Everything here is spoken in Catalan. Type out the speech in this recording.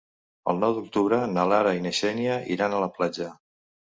El nou d'octubre na Lara i na Xènia iran a la platja.